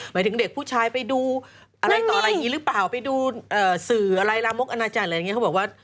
หมายถึงเด็กผู้ชายไปดูอะไรต่ออะไรอย่างนี้หรือเปล่าไปดูสื่ออะไรลามกอนาจารย์อะไรอย่างนี้เขาบอกว่า